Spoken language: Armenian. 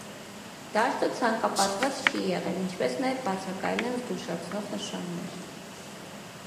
Դաշտը ցանկապատված չի էղել, ինչպես նաև բացակայել են զգուշացնող նշաններ։